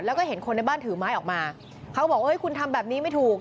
แล้วก็เห็นคนในบ้านถือไม้ออกมาเขาก็บอกว่าคุณทำแบบนี้ไม่ถูก